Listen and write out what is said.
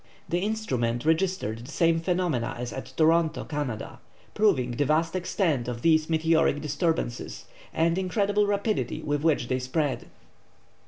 The instrument registered the same phenomena as at Toronto, Canada, proving the vast extent of these meteoric disturbances, and the incredible rapidity with which they spread.